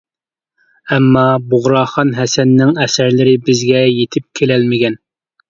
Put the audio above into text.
ئەمما بۇغراخان ھەسەننىڭ ئەسەرلىرى بىزگىچە يېتىپ كېلەلمىگەن.